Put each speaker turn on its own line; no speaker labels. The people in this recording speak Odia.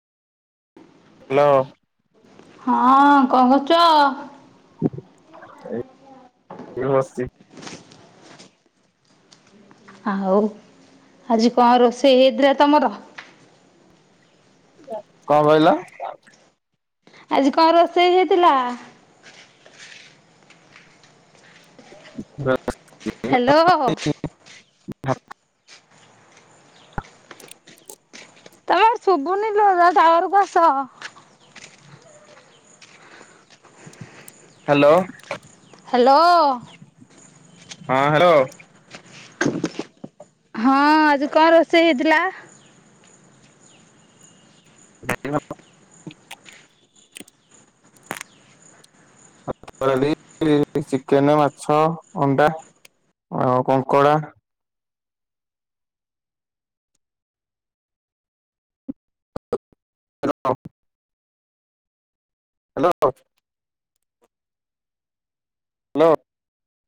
ହ୍ୟାଲୋ।
ହଁ କଣ କରୁଚ?
ଏ ବସିଚି।
ଆଉ ଆଜି କଁ ରୋଷେଇ ହେଇଥିଲା ତମର?
କଁ କହିଲ?
ଆଜି କଁ ରୋଷେଇ ହେଇଥିଲା?
[unintelligible]
ହ୍ୟାଲୋ।
[unintelligible]
ତମର ଶୁବୁନିଲୋ ଟାୱାରକୁ ଆସ।
ହ୍ୟାଲୋ।
ହାଲୋ।
ହଁ ହ୍ୟାଲୋ।
ହଁ ଆଜି କଁ ରୋଷେଇ ହେଇଥିଲା?
ଜାଲି ପାମ୍ପଡ। [unintelligible] ଚିକେନ ମାଛ ଅଣ୍ଡା ଆଉ କଙ୍କଡ଼ା [unintelligible] ହ୍ୟାଲୋ। ହ୍ୟାଲୋ।